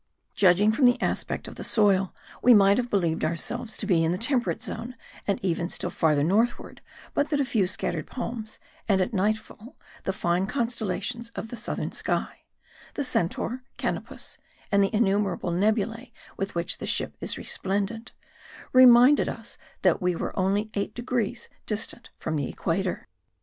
Judging from the aspect of the soil we might have believed ourselves to be in the temperate zone and even still farther northward but that a few scattered palms, and at nightfall the fine constellations of the southern sky (the Centaur, Canopus, and the innumerable nebulae with which the Ship is resplendent), reminded us that we were only eight degrees distant from the equator.